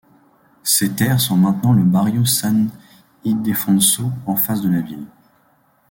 Ces terres sont maintenant le Barrio San Ildefonso, en face de la ville.